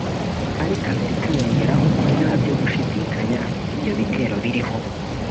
ariko Amerika yongeraho ko ntabyo gushidikanya ibyo bitero biriho